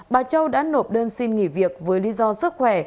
bà châu đã nộp đơn xin nghỉ việc với lý do sức khỏe